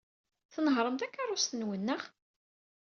Tnehhṛem takeṛṛust-nwen, naɣ?